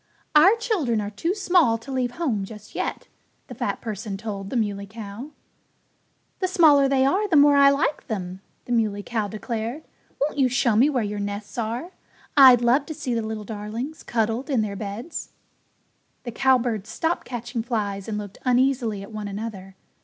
"Our children are too small to leave home just yet," the fat person told the Muley Cow. "The smaller they are the more I like them," the Muley Cow declared. "Won't you show me where your nests are? I'd love to see the little darlings cuddled in their beds." The cowbirds stopped catching flies and looked uneasily at one another.